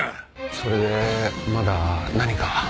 それでまだ何か？